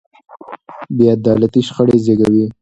بې عدالتي شخړې زېږوي